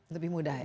lebih mudah ya